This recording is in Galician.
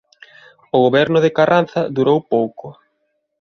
O goberno de Carranza durou pouco.